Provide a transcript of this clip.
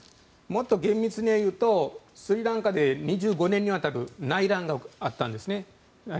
もっと厳密に言うとスリランカで２５年にわたる内戦があったんですね。